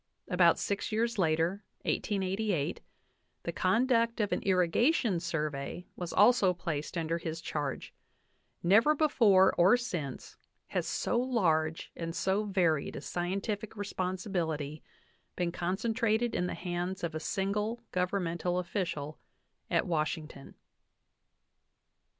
About six years later, 1888, the conduct of an Irrigation Sur vey was also placed under his charge ; never before or since has, so large and so varied a scientific responsibility been con centrated in the hands of a single governmental official at Washington.